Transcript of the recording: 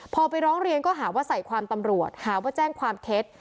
พอไปร้องเรียนก็หาว่าใส่ความตำรวจหาว่าแจ้งความเท็จ